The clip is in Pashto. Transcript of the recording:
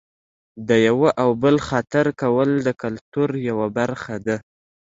د یوه او بل خاطر کول د کلتور یوه برخه ده.